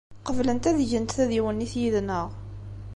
Qeblent ad gent tadiwennit yid-neɣ.